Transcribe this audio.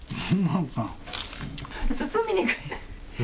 包みにくい。